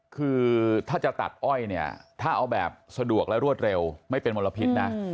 คือถ้าจะตัดอ้อยเนี่ยถ้าเอาแบบสะดวกและรวดเร็วไม่เป็นมลพิษนะ